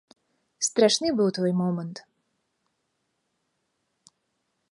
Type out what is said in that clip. Страшны быў той момант!